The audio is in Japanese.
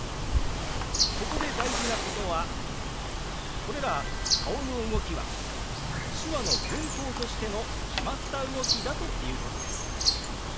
ここで大事なことはこれら顔の動きは手話の文法としての決まった動きだということです。